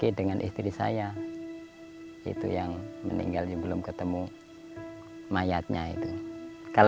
ini kan tinggi rumahnya tuh